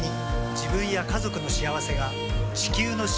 自分や家族の幸せが地球の幸せにつながっている。